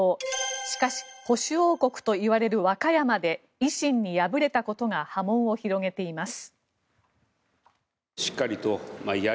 しかし、保守王国といわれる和歌山で維新に敗れたことが波紋を広げています。